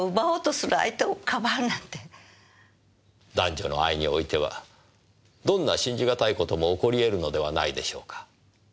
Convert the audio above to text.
男女の愛においてはどんな信じがたい事も起こりえるのではないでしょうか。